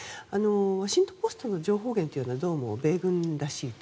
ワシントン・ポストの情報源はどうも米軍らしいと。